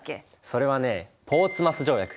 それはねポーツマス条約。